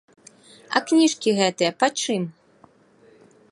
А кніжкі гэтыя пачым?